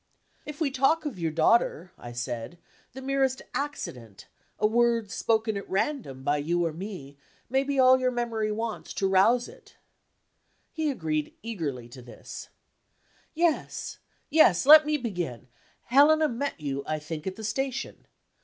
"If we talk of your daughter," I said, "the merest accident a word spoken at random by. you or me may be all your memory wants to rouse it." He agreed eagerly to this: "Yes! Yes! Let me begin. Helena met you, I think, at the station.